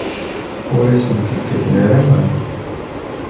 Ur as-tent-id-ttaken ara?